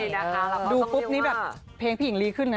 ใช่นะคะดูปุ๊บนี้แบบเพลงผิงลีขึ้นนะ